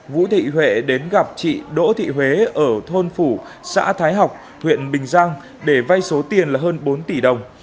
vũ thị huệ đến gặp chị đỗ thị huế ở thôn phủ xã thái học huyện bình giang để vay số tiền là hơn bốn tỷ đồng